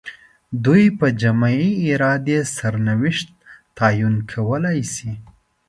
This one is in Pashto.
دوی په جمعي ارادې سرنوشت تعیین کولای شي.